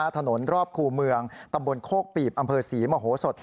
ถนนรอบคู่เมืองตำบลโคกปีบอำเภอศรีมโหสด